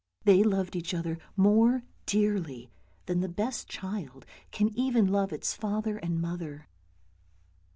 They loved each other more dearly than the best child can even love its father and mother.